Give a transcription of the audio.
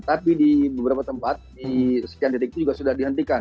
tapi di beberapa tempat di sekian titik itu juga sudah dihentikan